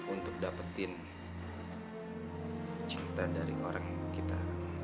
untuk dapetin cinta dari orang kita